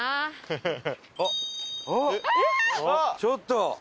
ちょっと！